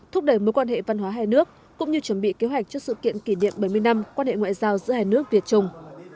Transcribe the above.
thúc đẩy mối quan hệ văn hóa hai nước cũng như chuẩn bị kế hoạch cho sự kiện kỷ niệm bảy mươi năm quan hệ ngoại giao giữa hai nước việt trung